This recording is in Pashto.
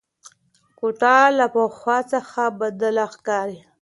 کوټه له پخوا څخه بدله ښکاري.